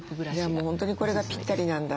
じゃあもう本当にこれがぴったりなんだ。